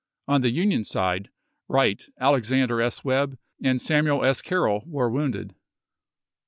On the Union side, Wright, Alexander S. Webb, and Samuel S. Carroll were wounded.